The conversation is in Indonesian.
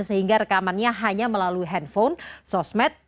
sehingga rekamannya hanya melalui handphone sosmed